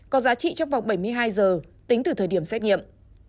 có giá trị trong vòng bảy mươi hai giờ tính từ thời điểm xét nghiệm